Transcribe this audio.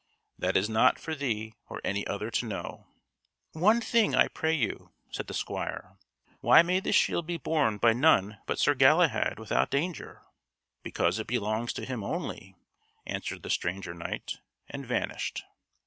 "That is not for thee or any other to know." "One thing, I pray you," said the squire; "why may this shield be borne by none but Sir Galahad without danger?" "Because it belongs to him only," answered the stranger knight, and vanished.